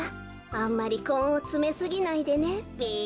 あんまりこんをつめすぎないでねべ。